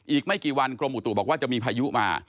อีกไม่กี่วันกรมอุตุบอกว่าจะมีพายุมา